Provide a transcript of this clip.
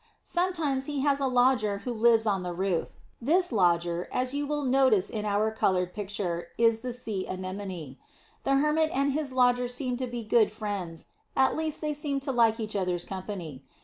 Sometimes he has a lodger who lives on the roof. This lodger, as you will notice in our coloured picture, is the sea anemone. The Hermit and his lodger seem to be good friends, at least they seem to like each other's company.